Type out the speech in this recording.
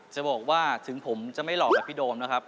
จะบอกว่าถึงผมจะไม่หล่อกับพี่โดมนะครับ